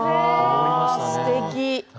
すてき。